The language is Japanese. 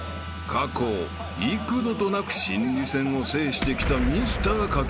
［過去幾度となく心理戦を制してきたミスター駆け引き］